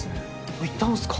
おっいたんすか？